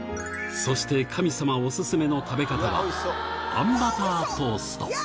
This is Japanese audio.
そして神様お勧めの食べ方が、あんバタートースト。